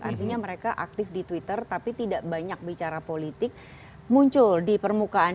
artinya mereka aktif di twitter tapi tidak banyak bicara politik muncul di permukaan